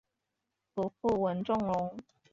祖父文仲荣。